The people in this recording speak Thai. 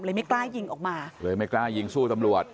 ไม่กล้ายิงออกมาเลยไม่กล้ายิงสู้ตำรวจ